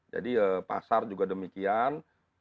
jadi pasar juga demikian